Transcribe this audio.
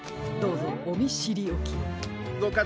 どうぞおみしりおきを。